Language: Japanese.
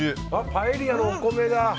パエリアのお米だ！